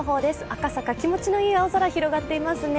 赤坂、気持ちのいい青空広がっていますね。